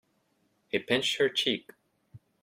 He pinched her cheek.